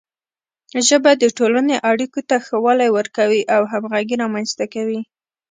ژبه د ټولنې اړیکو ته ښه والی ورکوي او همغږي رامنځته کوي.